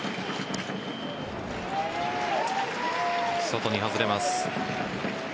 外に外れます。